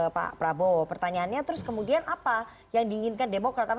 pak prabowo pertanyaannya terus kemudian apa yang diinginkan demokrat